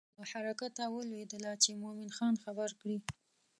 له حرکته ولوېدله چې مومن خان خبر کړي.